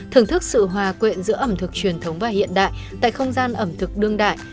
thưởng thức sự hòa quyện giữa ẩm thực truyền thống và hiện đại tại không gian ẩm thực đương đại